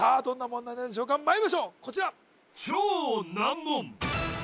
どんな問題なんでしょうかまいりましょうこちら